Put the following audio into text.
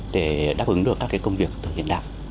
để đáp ứng được các cái công việc từ điện đạo